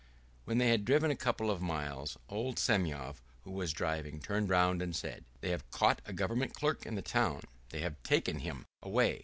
When they had driven a couple of miles, old Semyon, who was driving, turned round and said: "They have caught a government clerk in the town. They have taken him away.